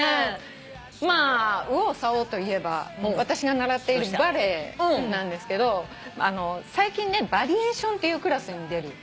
まあ右往左往といえば私が習っているバレエなんですけど最近ねバリエーションっていうクラスに出るのね。